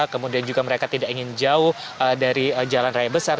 kemudian juga mereka tidak ingin jauh dari jalan raya besar